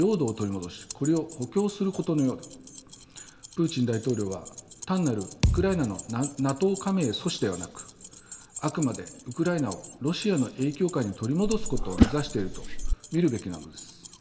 プーチン大統領は単なるウクライナのＮＡＴＯ加盟阻止ではなくあくまでウクライナをロシアの影響下に取り戻すことを目指していると見るべきなのです。